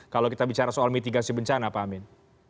kalau kita bicara soal mitigasi bencana pak amin